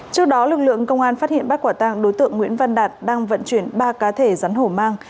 trước đó lực lượng công an phát hiện bắt quả tàng đối tượng nguyễn văn đạt đang vận chuyển ba cá thể rắn hổ mang